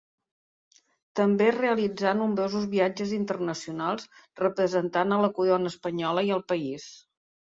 També realitzà nombrosos viatges internacionals representant a la Corona espanyola i al país.